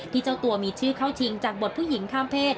เจ้าตัวมีชื่อเข้าชิงจากบทผู้หญิงข้ามเพศ